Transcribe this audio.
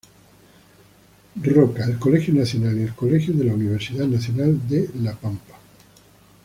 Roca, el Colegio Nacional y el Colegio de la Universidad Nacional de La Pampa.